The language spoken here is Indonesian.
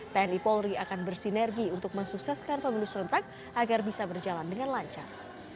tni polri akan bersinergi untuk mensukseskan pemilu serentak agar bisa berjalan dengan lancar